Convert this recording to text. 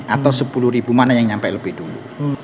atau sepuluh ribu mana yang nyampe lebih dulu